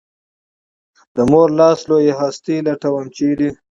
د مور لاس لویه هستي لټوم ، چېرې؟